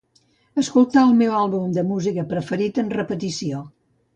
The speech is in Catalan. Escoltar el meu àlbum de música preferit en repetició.